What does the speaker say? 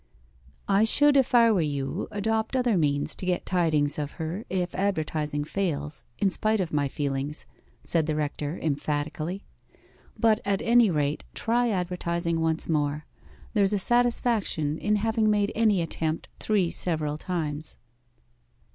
'I should, if I were you, adopt other means to get tidings of her if advertising fails, in spite of my feelings,' said the rector emphatically. 'But at any rate, try advertising once more. There's a satisfaction in having made any attempt three several times.